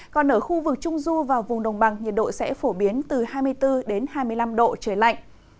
còn ở khu vực trung du và vùng đồng bằng nhiệt độ sẽ phổ biến từ hai mươi bốn hai mươi năm độ trời lạnh